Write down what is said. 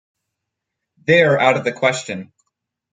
They're out of the question.